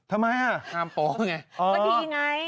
ทำไมอ่ะห้ามโป๊ไงก็ดีไง